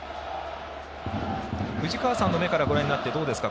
藤川さんの目からご覧になってどうですか？